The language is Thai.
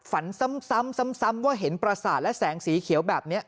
ฝันซ้ำว่าเห็นประสาทและแสงสีเขียวแบบนี้